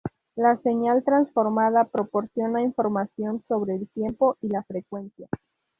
La señal transformada proporciona información sobre el tiempo y la frecuencia.